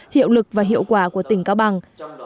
hiệu lực và hiệu quả của tỉnh cao bằng